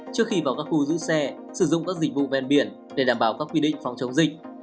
trước khi vào các khu giữ xe sử dụng các dịch vụ ven biển để đảm bảo các quy định phòng chống dịch